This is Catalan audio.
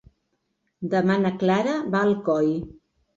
Demà na Clara va a Alcoi.